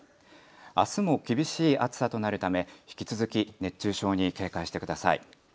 あすも厳しい暑さとなるため引き続き熱中症に警戒してください。